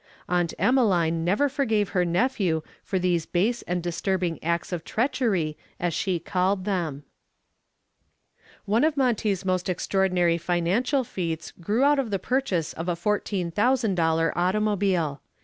Aunt Emmeline never forgave her nephew for these base and disturbing acts of treachery, as she called them. One of Monty's most extraordinary financial feats grew out of the purchase of a $14,000 automobile.